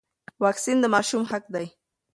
واکسین د ماشوم حق دی.